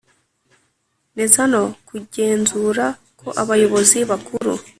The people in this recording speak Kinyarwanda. nezano kugenzura ko abayobozi bakuru